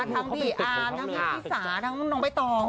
ทั้งพี่อาร์มทั้งพี่สาทั้งน้องใบตอง